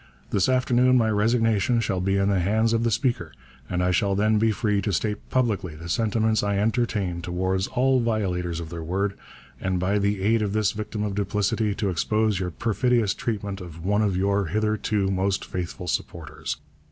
This afternoon my resignation shall be in the hands of the Speaker, and I shall then be free to state publicly the sentiments I entertain towards all violators of their word, and by the aid of this victim of duplicity, to expose your perfidious treatment of one of your hitherto most faithful supporters.'